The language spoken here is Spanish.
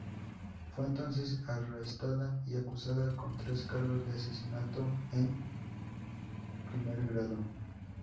Fue entonces arrestada y acusada con tres cargos de asesinato en primer grado.